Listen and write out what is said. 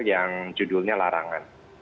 yang judulnya larangan